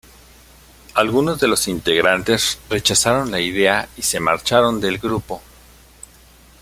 Algunos de los integrantes rechazaron la idea y se marcharon del grupo.